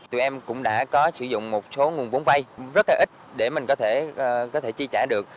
tụi em cũng đã có sử dụng một số nguồn vốn vay rất là ít để mình có thể có thể chi trả được